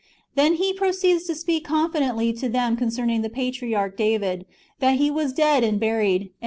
^ Then he proceeds to speak confidently to tliem concerning the patriarch David, that he was dead and buried, and that 1 Acts i.